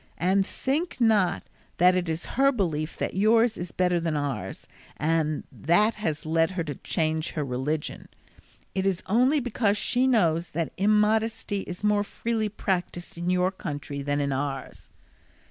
And think not that it is her belief that yours is better than ours that has led her to change her religion; it is only because she knows that immodesty is more freely practised in your country than in ours."